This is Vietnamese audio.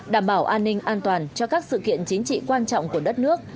đảm bảo an ninh an toàn cho các sự kiện chính trị quan trọng của đất nước